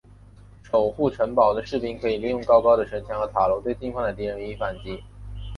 守护城堡的士兵可以利用高高的城墙和塔楼对进犯的敌人予以反击。